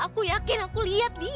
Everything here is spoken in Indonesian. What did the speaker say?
aku yakin aku lihat nih